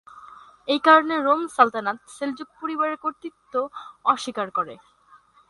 এই কারণে রোম সালতানাত সেলজুক পরিবারের কর্তৃত্ব অস্বীকার করে।